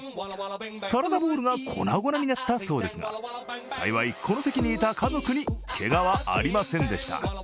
サラダボウルが粉々になったそうですが、幸い、この席にいた家族にけがはありませんでした。